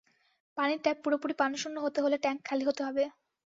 পানির ট্যাপ পুরোপুরি পানিশূন্য হতে হলে ট্যাংক খালি হতে হবে।